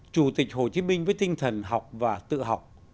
chủ tịch hồ chí minh với tinh thần học và tự học